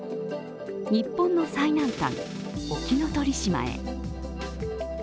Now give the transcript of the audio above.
日本の最南端、沖ノ鳥島へ。